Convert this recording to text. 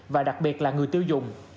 và đặc biệt là người tiêu dùng